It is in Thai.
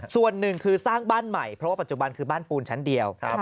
ส่วนหนึ่งคือสร้างบ้านใหม่เพราะว่าปัจจุบันคือบ้านปูนชั้นเดียว